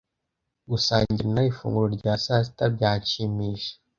Gusangira nawe ifunguro rya sasita byanshimisha.